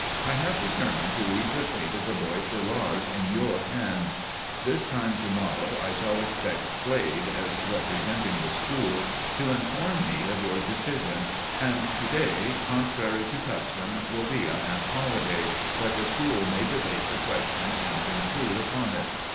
I have determined to leave the fate of the boy Ferrars in your hands. This time to morrow I shall expect Slade, as representing the school, to inform me of your decision, and to day, contrary to custom, will be a half holiday, that the school may debate the question and conclude upon it.